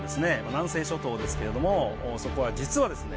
南西諸島ですけれどもそこは実はですね